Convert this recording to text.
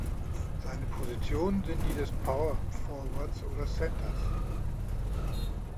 Seine Positionen sind die des Power Forwards oder Centers.